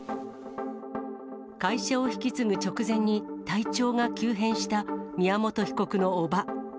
会社を引き継ぐ直前に、体調が急変した宮本被告の叔母。